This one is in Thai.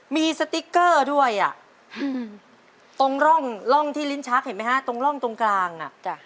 มีสติ๊กเกอร์ด้วยอ่ะตรงร่องที่ลิ้นชักเห็นไหมฮะตรงร่องตรงกลางอ่ะจ้ะ